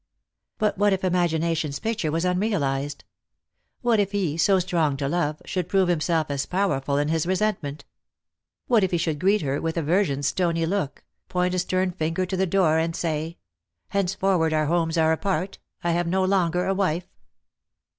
But what if imagination's picture were unrealized ? What if he, so strong to love, should prove himself as powerful in his resentment ? What if he should greet her with aversion's stony look, point a stern finger to the door, and say, ' Henceforward our homes are apart — I have no longer a wife